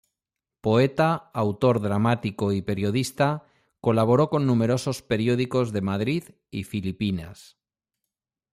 Poeta, autor dramático y periodista, colaboró en numerosos periódicos de Madrid y Filipinas.